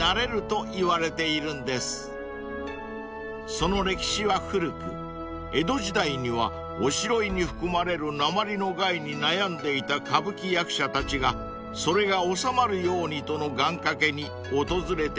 ［その歴史は古く江戸時代にはおしろいに含まれる鉛の害に悩んでいた歌舞伎役者たちがそれが収まるようにとの願掛けに訪れていたのだとか］